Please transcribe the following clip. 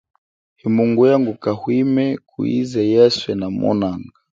Himunguya nguka hwime kuize yeswe namona.